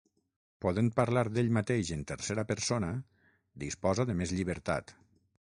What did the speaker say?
podent parlar d'ell mateix en tercera persona, disposa de més llibertat